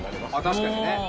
確かにね